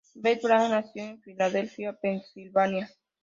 Betty Brant nació en Filadelfia, Pensilvania.